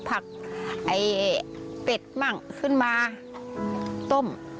ผักไอ้เป็ดมั่งขึ้นมาต้ม